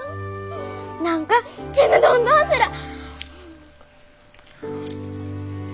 何かちむどんどんする！